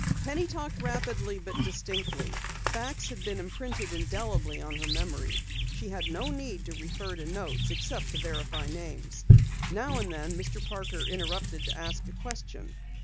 Penny talked rapidly but distinctly. Facts had been imprinted indelibly on her memory. She had no need to refer to notes except to verify names. Now and then Mr. Parker interrupted to ask a question.